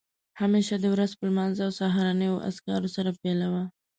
همېشه دې ورځ په لمانځه او سهارنیو اذکارو سره پیلوه